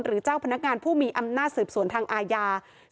หรือเจ้าพนักงานผู้พนักงานผู้มีอำนาจสืบสวนทางอาณาจริง